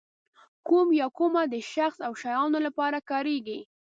کوم یا کومه د شخص او شیانو لپاره کاریږي.